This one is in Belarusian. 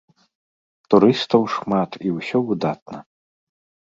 Турыстаў шмат і ўсё выдатна.